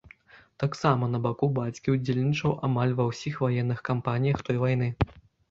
Таксама, на баку бацькі, ўдзельнічаў амаль ва ўсіх ваенных кампаніях той вайны.